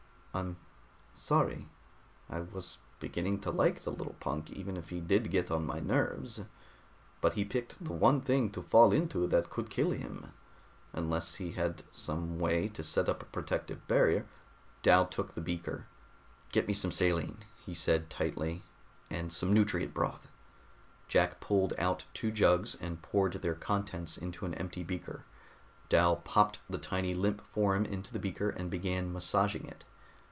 I'm sorry I was beginning to like the little punk, even if he did get on my nerves. But he picked the one thing to fall into that could kill him. Unless he had some way to set up a protective barrier...." Dal took the beaker. "Get me some saline," he said tightly. "And some nutrient broth." Jack pulled out two jugs and poured their contents into an empty beaker. Dal popped the tiny limp form into the beaker and began massaging it.